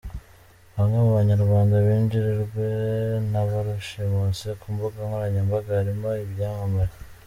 Bamwe mu banyarwanda binjirwe na barushimusi ku mbuga nkoranyambaga harimo ibyamamare.